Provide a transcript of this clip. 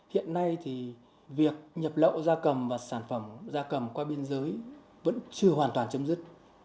hiện nay thì việc nhập lậu da cầm và sản phẩm da cầm qua biên giới vẫn chưa hoàn toàn chấm dứt